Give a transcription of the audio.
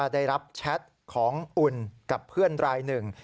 ได้รับแชทของอุ่นกับเพื่อนรายหนึ่ง